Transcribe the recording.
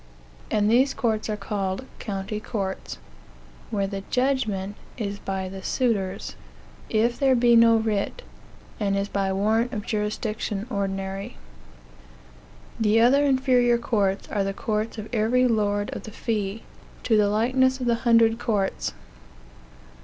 And these courts are called county courts, where the judgment is by the suitors, if there be no writ, and is by warrant of jurisdiction ordinary. The other inferior courts are the courts of every lord of the fee, to the likeness of the hundred courts.